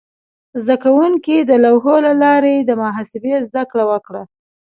زده کوونکي د لوحو له لارې د محاسبې زده کړه وکړه.